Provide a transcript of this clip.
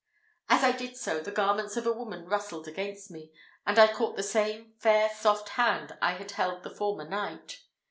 As I did so, the garments of a woman rustled against me, and I caught the same fair soft hand I had held the former night.